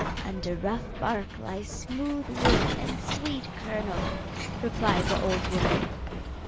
'Under rough bark lies smooth wood and sweet kernel,' replied the old woman.